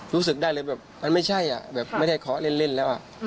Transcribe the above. รู้สึกได้เลยแบบมันไม่ใช่อ่ะแบบไม่ได้เคาะเล่นแล้ว